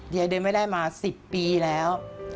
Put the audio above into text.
ยายเดินไม่ได้มา๑๐ปีแล้ว